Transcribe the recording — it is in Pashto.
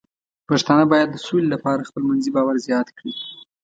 پښتانه بايد د سولې لپاره خپلمنځي باور زیات کړي.